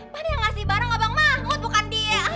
padahal yang ngasih barang abang mahmud bukan dia